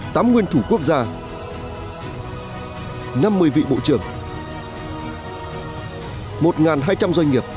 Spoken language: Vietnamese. tám nguyên thủ quốc gia năm mươi vị bộ trưởng một hai trăm linh doanh nghiệp